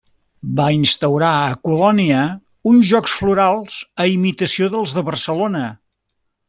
Va instaurar a Colònia uns Jocs Florals a imitació dels de Barcelona.